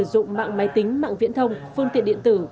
hành vi sử dụng mạng máy tính mạng viễn thông phương tiện điện tử